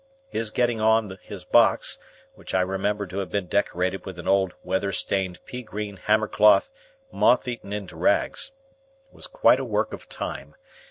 His getting on his box, which I remember to have been decorated with an old weather stained pea green hammercloth moth eaten into rags, was quite a work of time.